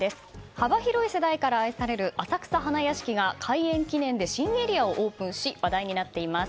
幅広い世代から愛される浅草花やしきが開園記念で新エリアをオープンし話題になっています。